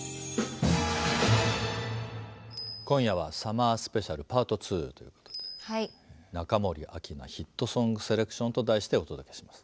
今夜はサマースペシャルパート２ということで「中森明菜ヒットソングセレクション」と題してお届けします。